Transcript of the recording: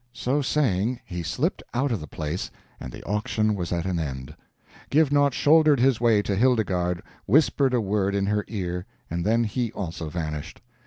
So saying, he slipped out of the place and the auction was at an end. Givenaught shouldered his way to Hildegarde, whispered a word in her ear, and then he also vanished.